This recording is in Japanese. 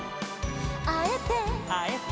「あえて」「あえて」